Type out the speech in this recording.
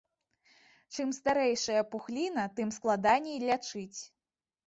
Чым старэйшая пухліна, тым складаней лячыць.